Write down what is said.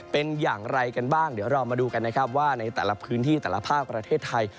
เป็นอย่างไรกันบ้างเดี๋ยวเรามาดูกันนะครับว่าในแต่ละพื้นที่แต่ละภาคประเทศไทย